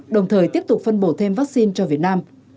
đồng thời tiếp tục phân bổ thêm vaccine cho việt nam